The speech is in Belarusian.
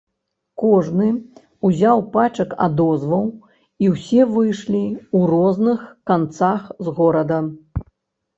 Кожны ўзяў пачак адозваў, і ўсе выйшлі ў розных канцах з горада.